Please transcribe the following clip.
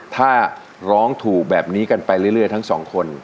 ถ้าร้องถูกแบบนี้กันไปเรื่อยทั้งสองคน